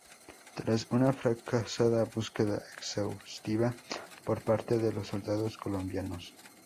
Tras una fracasada búsqueda exhaustiva por parte de los soldados colombianos.